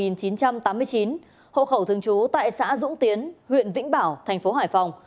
năm một nghìn chín trăm tám mươi chín hộ khẩu thương chú tại xã dũng tiến huyện vĩnh bảo thành phố hải phòng